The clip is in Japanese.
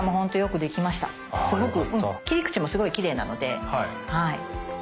切り口もすごいきれいなのではい。